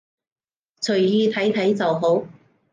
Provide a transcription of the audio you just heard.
隨意睇睇就好